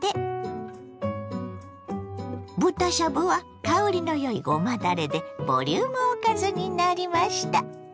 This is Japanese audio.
豚しゃぶは香りのよいごまだれでボリュームおかずになりました。